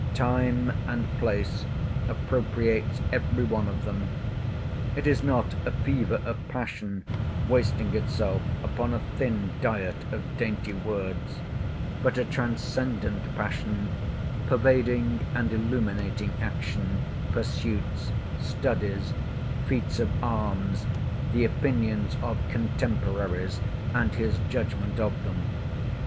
Time and place appropriates every one of them. It is not a fever of passion wasting itself upon a thin diet of dainty words, but a transcendent passion pervading and illuminating action, pursuits, studies, feats of arms, the opinions of contemporaries and his judgment of them.